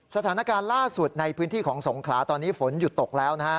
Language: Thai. สถานการณ์ล่าสุดในพื้นที่ของสงขลาตอนนี้ฝนหยุดตกแล้วนะฮะ